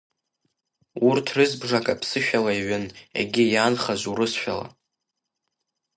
Урҭ рызбжак аԥсышәала иҩын, егьи иаанхаз урысшәала.